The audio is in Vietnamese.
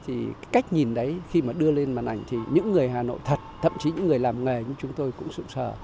thì cái cách nhìn đấy khi mà đưa lên màn ảnh thì những người hà nội thật thậm chí những người làm nghề như chúng tôi cũng sự sờ